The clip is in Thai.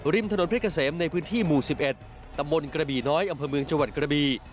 ริมถนนเพชรเกษมในพื้นที่หมู่๑๑ตำบลกระบี่น้อยอำเภอเมืองจังหวัดกระบี